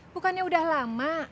bukannya udah lama